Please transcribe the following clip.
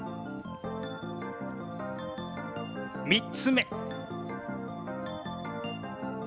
３つ目。